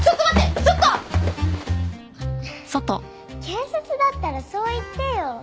警察だったらそう言ってよ。